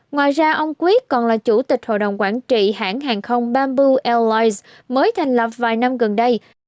ngoài ra ông quyết còn là chủ tịch hội đồng quản trị hãng hàng không bamboo airlines mới thành lập vài năm gần đây